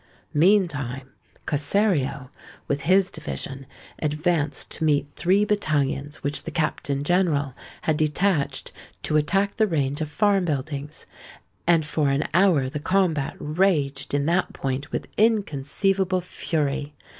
Meantime, Cossario, with his division, advanced to meet three battalions which the Captain General had detached to attack the range of farm buildings; and for an hour the combat raged in that point with inconceivable fury.